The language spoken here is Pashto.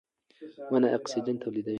ونې اکسیجن تولیدوي.